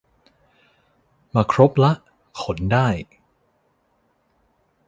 มาครบละ ขนได้